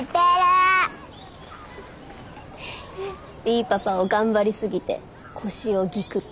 いいパパを頑張り過ぎて腰をギクッと。